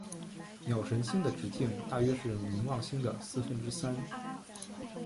鸟神星的直径大约是冥王星的四分之三。